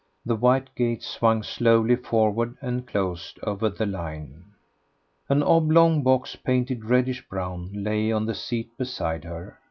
The white gates swung slowly forward and closed over the line. An oblong box painted reddish brown lay on the seat beside her.